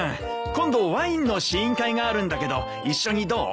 今度ワインの試飲会があるんだけど一緒にどう？